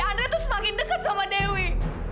andre tuh semakin deket sama dewi